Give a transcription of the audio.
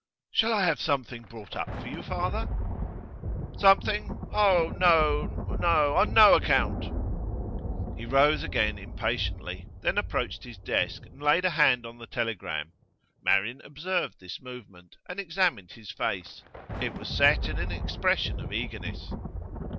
'Shall I have something brought up for you, father?' 'Something ? Oh no, no; on no account.' He rose again impatiently, then approached his desk, and laid a hand on the telegram. Marian observed this movement, and examined his face; it was set in an expression of eagerness.